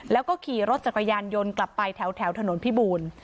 แล้วก็ขี่รถจักรยันยนต์ยนต์กลับไปแถวถนนพี่บูล